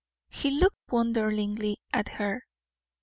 He looked wonderingly at her.